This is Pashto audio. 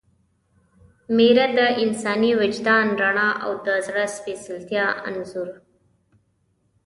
میره – د انساني وجدان رڼا او د زړه د سپېڅلتیا انځور